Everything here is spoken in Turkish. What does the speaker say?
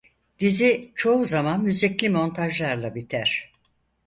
Dizi çoğu zaman müzikli montajlarla biter.